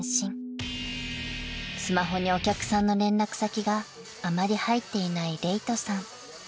［スマホにお客さんの連絡先があまり入っていない礼人さん］